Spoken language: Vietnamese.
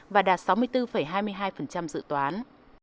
và đạt sáu mươi bốn hai mươi hai dự toán